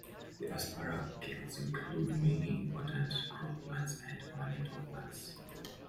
The Asparagales include many important crop plants and ornamental plants.